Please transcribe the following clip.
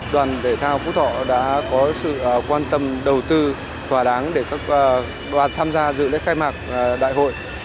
đoàn thể thao phú thọ đã có sự quan tâm đầu tư thỏa đáng để các đoàn tham gia dự lễ khai mạc đại hội